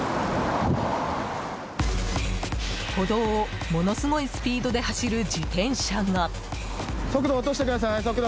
歩道を、ものすごいスピードで走る自転車が。